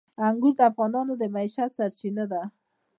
انګور د افغانانو د معیشت سرچینه ده.